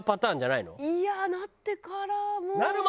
いやなってからも。